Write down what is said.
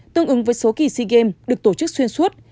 tương ứng với số kỳ sea games được tổ chức xuyên suốt